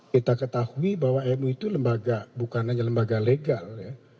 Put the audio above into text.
kita ketahui bahwa nu itu lembaga bukan hanya lembaga legal ya